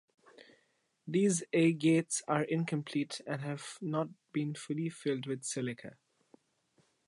These agates are incomplete and have not been fully filled with silica.